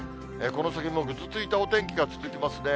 この先もぐずついたお天気が続きますね。